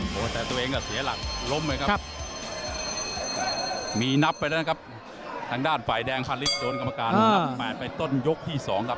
โหแต่ตัวเองกับเสียหลักล้มไว้ครับมีนับไปแล้วนะครับทางด้านฝ่ายแดงภัลฤษฐ์โดนกรรมการต้นยกที่สองครับ